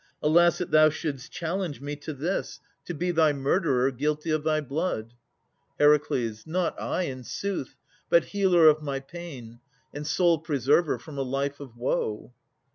Alas that thou shouldst challenge me to this, To be thy murderer, guilty of thy blood! HER. Not I, in sooth: but healer of my pain, And sole preserver from a life of woe.